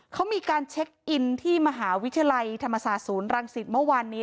เขามีการเช็คอินที่มหาวิทยาลัยธรรมศาสตร์ศูนย์รังสิตเมื่อวานนี้